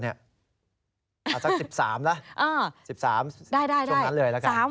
สัก๑๓แล้ว๑๓ชั่วนั้นเลยละกันนะครับ